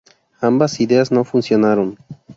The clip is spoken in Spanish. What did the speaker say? Ambas ideas no funcionaron.